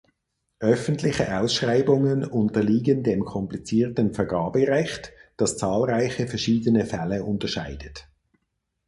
Öffentliche Ausschreibungen unterliegen dem komplizierten Vergaberecht, das zahlreiche verschiedene Fälle unterscheidet.